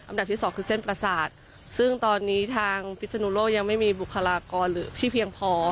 ที่สองคือเส้นประสาทซึ่งตอนนี้ทางพิศนุโลกยังไม่มีบุคลากรหรือที่เพียงพอ